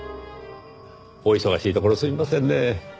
お忙しいところすみませんねぇ。